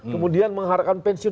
kemudian mengharapkan pensiun